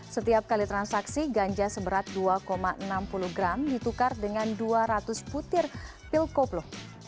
setiap kali transaksi ganja seberat dua enam puluh gram ditukar dengan dua ratus butir pil koplo